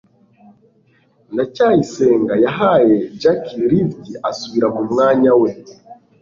ndacyayisenga yahaye jaki lift asubira mu mwanya we